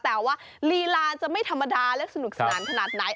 แต่ว่าลีลาจะไม่ธรรมดาและสนุกสนานขนาดไหน